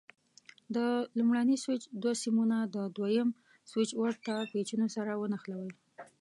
د لومړني سویچ دوه سیمونه د دوه یم سویچ ورته پېچونو سره ونښلوئ.